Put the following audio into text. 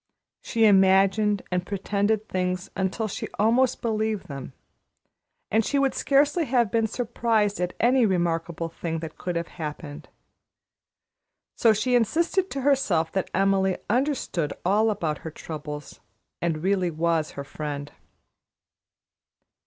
She imagined and pretended things until she almost believed them, and she would scarcely have been surprised at any remarkable thing that could have happened. So she insisted to herself that Emily understood all about her troubles and was really her friend.